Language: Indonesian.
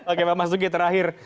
oke pak mas dugi terakhir